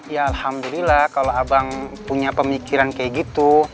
ya alhamdulillah kalau abang punya pemikiran kayak gitu